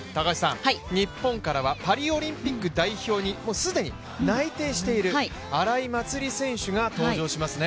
日本からはパリオリンピック代表に、すでに内定している荒井祭里選手が登場しますね。